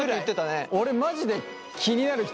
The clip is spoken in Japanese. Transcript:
俺マジで気になる人